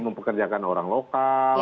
mempekerjakan orang lokal